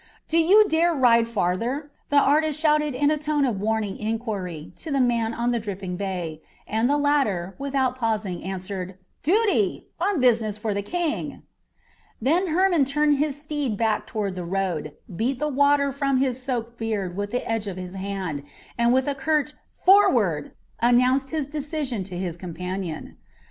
"Do you dare to ride farther?" the artist shouted in a tone of warning inquiry to the man on the dripping bay, and the latter, without pausing, answered: "Duty! On business for the King!" Then Hermon turned his steed back toward the road, beat the water from his soaked beard with the edge of his hand, and with a curt "Forward!" announced his decision to his companion.